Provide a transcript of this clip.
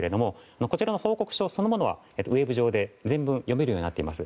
こちらの報告書そのものはウェブ上で全文読めるようになっています。